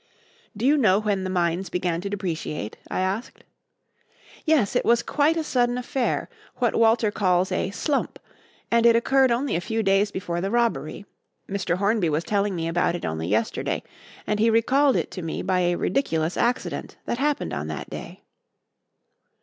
"Do you know when the mines began to depreciate?" I asked. "Yes, it was quite a sudden affair what Walter calls 'a slump' and it occurred only a few days before the robbery. Mr. Hornby was telling me about it only yesterday, and he recalled it to me by a ridiculous accident that happened on that day."